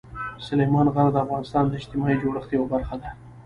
سلیمان غر د افغانستان د اجتماعي جوړښت یوه برخه ده.